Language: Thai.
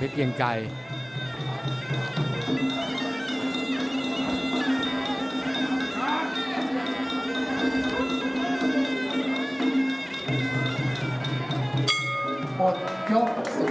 สุภาษณ์อัศวินาฬิกาศาสุภาษณ์